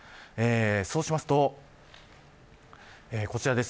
そうしますとこちらです。